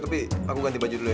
tapi aku ganti baju dulu ya